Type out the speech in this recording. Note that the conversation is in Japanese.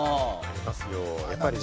ありますよ。